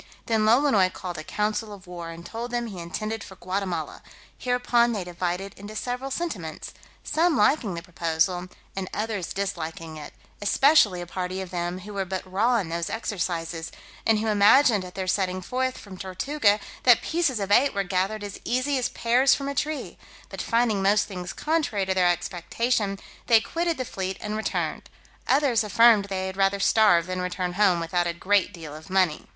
Then Lolonois called a council of war, and told them, he intended for Guatemala: hereupon they divided into several sentiments, some liking the proposal, and others disliking it, especially a party of them who were but raw in those exercises, and who imagined at their setting forth from Tortuga that pieces of eight were gathered as easy as pears from a tree; but finding most things contrary to their expectation, they quitted the fleet, and returned; others affirmed they had rather starve than return home without a great deal of money.